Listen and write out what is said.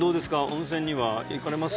温泉には行かれます？